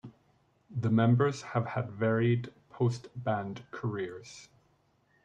The members have had varied post-band careers.